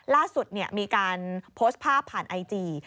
ล่าสุดมีการโพสต์ภาพผ่านไอจี